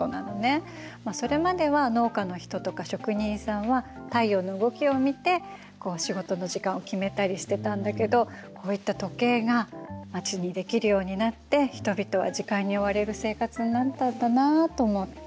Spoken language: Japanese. それまでは農家の人とか職人さんは太陽の動きを見て仕事の時間を決めたりしてたんだけどこういった時計が街に出来るようになって人々は時間に追われる生活になったんだなと思って。